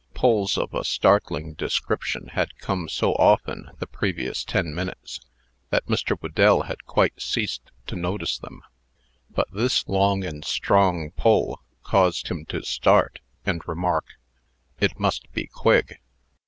Pulls of a startling description had come so often, the previous ten minutes, that Mr. Whedell had quite ceased to notice them. But this long and strong pull caused him to start, and remark, "It must be Quigg."